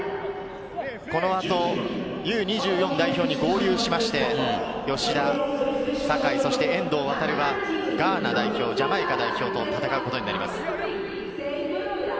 このあとＵ−２４代表に合流しまして、吉田、酒井、そして遠藤航はガーナ代表、ジャマイカ代表と戦うことになります。